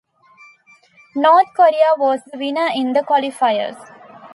North Korea was the winner in the qualifiers.